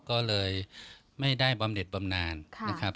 ก็เลยไม่ได้บำเน็ตบำนานนะครับ